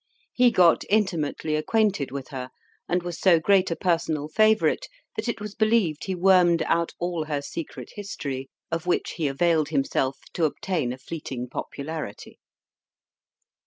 He got intimately acquainted with her, and was so great a personal favourite that it was believed he wormed out all her secret history, of which he availed himself to obtain a fleeting popularity.